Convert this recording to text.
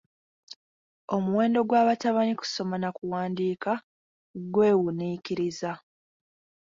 Omuwendo gw'abatamanyi kusoma na kuwandiika gwewuniikiriza.